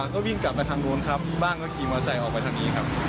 ก็วิ่งกลับไปทางนู้นครับบ้างก็ขี่มอไซค์ออกไปทางนี้ครับ